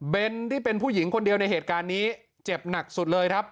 เป็นที่เป็นผู้หญิงคนเดียวในเหตุการณ์นี้เจ็บหนักสุดเลยครับ